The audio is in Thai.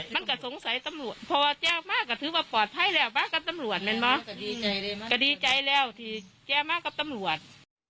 มันก็สงสัยกับตำรวจพอแบบแกมาตาก็คือปลอดภัยแล้วมากตำรวจก็ดีใจแล้วที่แกคือมากกับตำรวจ